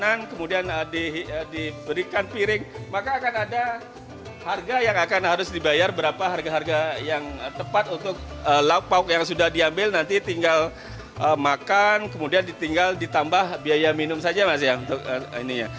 dengan kemudian diberikan piring maka akan ada harga yang akan harus dibayar berapa harga harga yang tepat untuk lauk lauk yang sudah diambil nanti tinggal makan kemudian ditinggal ditambah biaya minum saja mas ya untuk ini ya